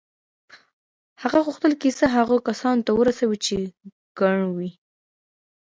هغه غوښتل کیسه هغو کسانو ته ورسوي چې کڼ وو